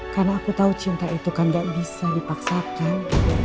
karena aku tahu cinta itu kan gak bisa dipaksakan